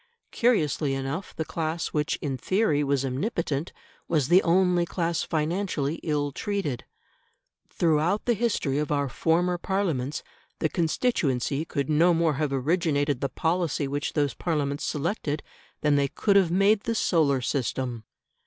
Curiously enough the class which in theory was omnipotent, was the only class financially ill treated. Throughout the history of our former Parliaments the constituency could no more have originated the policy which those Parliaments selected than they could have made the solar system.